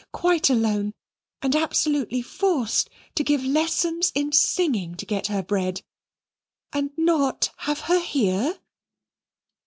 quite alone and absolutely forced to give lessons in singing to get her bread and not have her here!"